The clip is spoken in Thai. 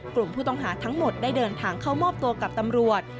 กลุ่มผู้ต้องหาทั้งหมดได้เดินทางเข้ามอบตัวกับตำรวจ